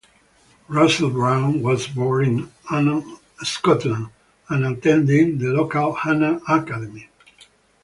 Russell Brown was born in Annan, Scotland, and attended the local Annan Academy.